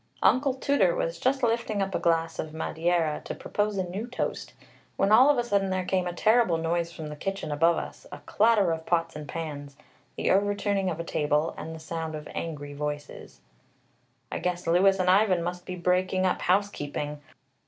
Uncle Tooter was just lifting up a glass of madeira to propose a new toast, when all of a sudden there came a terrible noise from the kitchen above us, a clatter of pots and pans, the overturning of a table, and the sound of angry voices. "I guess Louis and Ivan must be breaking up housekeeping.